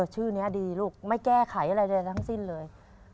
ชื่อนี้ดีลูกไม่แก้ไขอะไรใดทั้งสิ้นเลย